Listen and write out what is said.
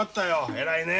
偉いねえ。